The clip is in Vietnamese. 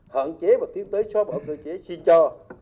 hạn chế và tiến tới xóa bỏ cơ chế xin cho